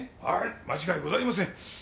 はい間違いございません。